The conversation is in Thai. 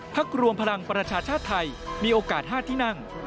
รวมพลังประชาชาติไทยมีโอกาส๕ที่นั่ง